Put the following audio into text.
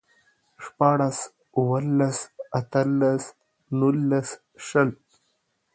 شپاړلس، اوولس، اتلس، نولس، شل